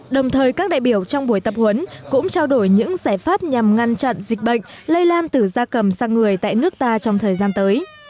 đồng thời các đại biểu trong buổi tập huấn cũng trao đổi những giải pháp nhằm ngăn chặn dịch bệnh lây lan từ da cầm sang người tại nước ta trong thời gian tới